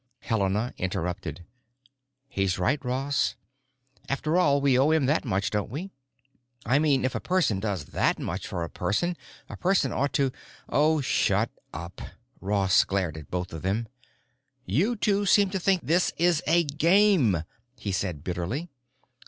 Helena interrupted, "He's right, Ross. After all, we owe him that much, don't we? I mean, if a person does that much for a person, a person ought to——" "Oh, shut up." Ross glared at both of them. "You two seem to think this is a game," he said bitterly.